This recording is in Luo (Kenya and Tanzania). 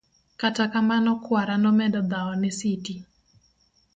kata kamano kwara nomedo dhawo ne Siti